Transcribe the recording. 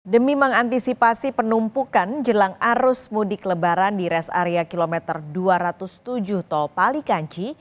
demi mengantisipasi penumpukan jelang arus mudik lebaran di res area kilometer dua ratus tujuh tol palikanci